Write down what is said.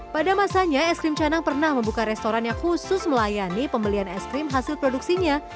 pada masanya es krim canang pernah membuka restoran yang khusus melayani pembelian es krim hasil produksinya